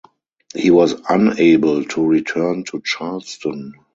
He was unable to return to Charleston.